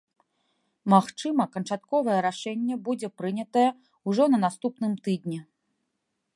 Магчыма, канчатковае рашэнне будзе прынятае ўжо на наступным тыдні.